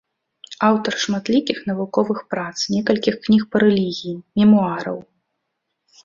Аўтар шматлікіх навуковых прац, некалькіх кніг па рэлігіі, мемуараў.